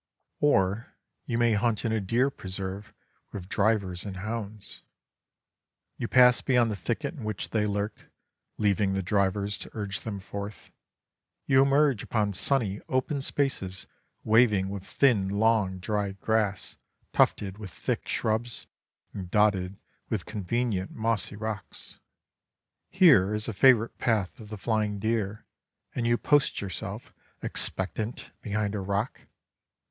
Or you may hunt in a deer preserve with drivers and hounds. You pass beyond the thicket in which they lurk, leaving the drivers to urge them forth. You emerge upon sunny open spaces waving with thin, long, dry grass, tufted with thick shrubs, and dotted with convenient mossy rocks. Here is a favorite path of the flying deer, and you post yourself expectant behind a rock.